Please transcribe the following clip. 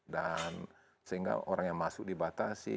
dan sehingga orang yang masuk dibatasi